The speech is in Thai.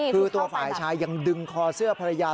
คือตัวฝ่ายชายยังดึงคอเสื้อภรรยา